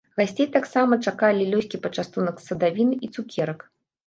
Гасцей таксама чакалі лёгкі пачастунак з садавіны і цукерак.